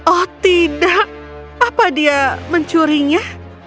oh tidak apa dia mencurinya